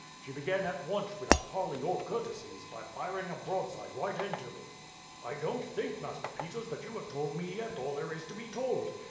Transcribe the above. She began at once, without parley or courtesies, by firing a broadside right into me. "'I don't think, Master Peters, that you have told me yet all there is to be told.'